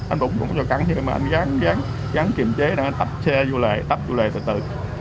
anh cũng không cho cắn nhưng mà anh dám kiềm chế anh tắp xe vô lệ tắp vô lệ từ từ